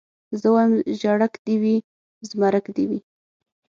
زه وايم ژړک دي وي زمرک دي وي